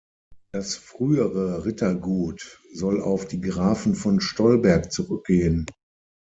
Das frühere Rittergut soll auf die Grafen von Stolberg zurückgehen.